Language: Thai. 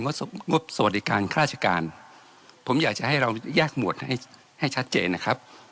งบสวัสดิการข้าราชการผมอยากจะให้เราแยกหมวดให้ให้ชัดเจนนะครับ